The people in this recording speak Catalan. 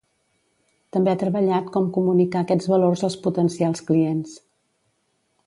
També ha treballat com comunicar aquests valors als potencials clients.